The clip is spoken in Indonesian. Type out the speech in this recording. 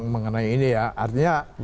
mengenai ini ya artinya